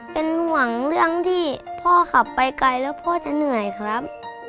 เป็นห่วงเรื่องที่พ่อขับไปไกลแล้วพ่อจะเหนื่อยครับ